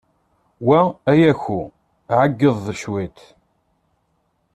Wa Ayako, ɛeggeḍ cwiṭ.